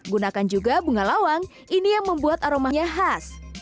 gunakan juga bunga lawang ini yang membuat aromanya khas